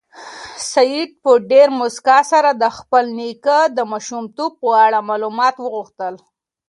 سعید په ډېرې موسکا سره د خپل نیکه د ماشومتوب په اړه معلومات وغوښتل.